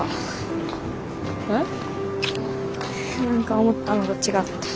何か思ったのと違った。